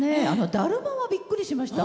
だるまはびっくりしました。